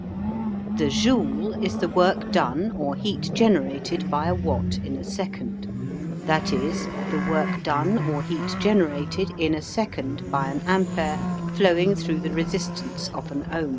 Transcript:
The Joule is the work done or heat generated by a Watt in a second, that is, the work done or heat generated in a second by an ampere flowing through the resistance of an ohm.